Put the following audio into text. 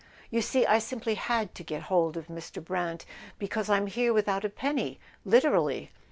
"You see, I simply had to get hold of Mr. Brant, because I'm here without a penny—literally!"